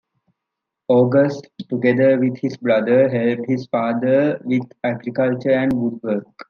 August, together with his brother, helped his father with agriculture and woodwork.